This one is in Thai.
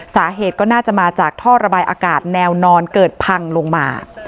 สาเหตุก็น่าจะมาจากท่อระบายอากาศแนวนอนเกิดพังลงมา